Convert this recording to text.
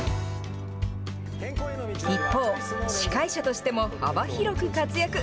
一方、司会者としても幅広く活躍。